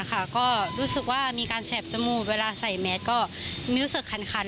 ก็รู้สึกมีการแชบจมูกเวลาใส่แมาทก็มีอุดสิกขัน